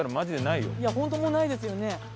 いや本当もうないですよね。